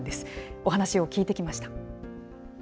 お話を聞いてきました。